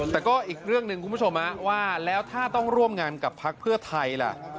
แต่ก็อีกเรื่องหนึ่งคุณผู้ชมว่าแล้วถ้าต้องร่วมงานกับพักเพื่อไทยล่ะ